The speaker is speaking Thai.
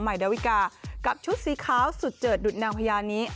ดาวิกากับชุดสีขาวสุดเจิดดุดนางพญานี้